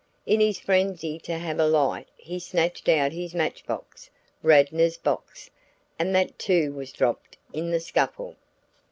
In his frenzy to have a light he snatched out his match box Radnor's box and that too was dropped in the scuffle.